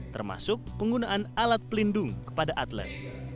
termasuk penggunaan alat pelindung kepada atlet